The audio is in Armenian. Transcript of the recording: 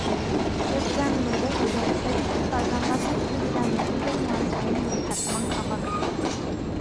Շրջանները, իրենց հերթին, բաժանված են շրջանների և մարզային ենթարկման քաղաքներ։